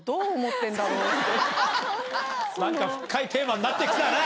何か深いテーマになって来たな。